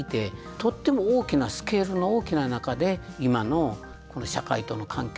とっても大きなスケールの大きな中で今の社会との関係だとか。